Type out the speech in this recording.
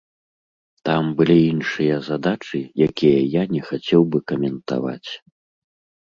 Там былі іншыя задачы, якія я не хацеў бы каментаваць.